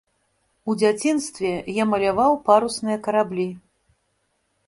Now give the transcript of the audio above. У дзяцінстве я маляваў парусныя караблі.